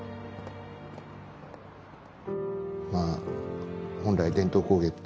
まあ本来伝統工芸って